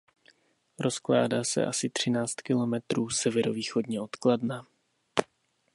Rozkládá se asi třináct kilometrů severovýchodně od Kladna.